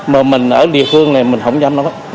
mà mình ở địa phương này mình không dám nói